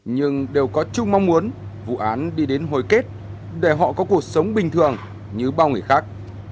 nhưng đều có chung mong muốn vụ án đi đến hồi kết để họ có cuộc sống bình thường như bao người khác